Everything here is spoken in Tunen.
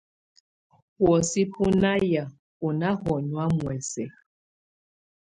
Buosɛ́ bú na yáá ú ná hɔnyɔ̀á muɛsɛ.